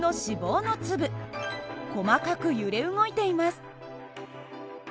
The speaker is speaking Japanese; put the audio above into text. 細かく揺れ動いています。